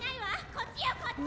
こっちよこっち！